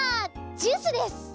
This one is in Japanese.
ジュースです！